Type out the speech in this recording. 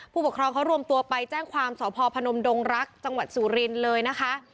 ผู้ปกครองเขารวมตัวไปแจ้งความสพพนมดงรักจังหวัดสุรินทร์เลยนะคะ